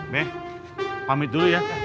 be pamit dulu ya